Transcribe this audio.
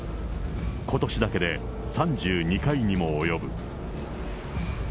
ことしだけで、３２回にも及ぶ。